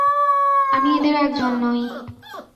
আমি এদের একজন নই!